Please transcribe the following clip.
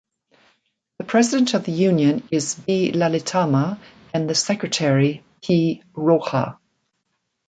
The president of the union is B. Lalitamma and the secretary P. Roja.